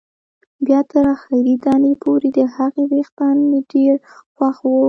بیا تر اخري دانې پورې، د هغې وېښتان مې ډېر خوښ وو.